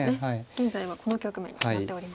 現在はこの局面になっております。